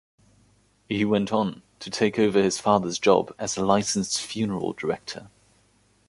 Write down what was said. He went on to take over his father's job as a licensed funeral director.